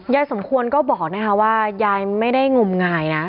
สมควรก็บอกนะคะว่ายายไม่ได้งมงายนะ